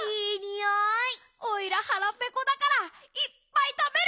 オイラはらぺこだからいっぱいたべる！